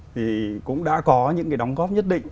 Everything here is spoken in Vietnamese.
thì cũng đã có những cái đóng góp nhất định